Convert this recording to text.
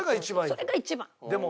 それが一番。